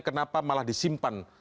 kenapa malah disimpan